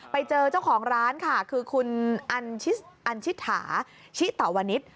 ไปเจอเจ้าของร้านค่ะคือคุณอันชิถาชิตวนิษฐ์